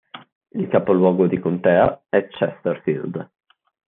Il capoluogo di contea è Chesterfield.